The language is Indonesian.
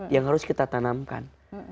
yang harus kita tanamkan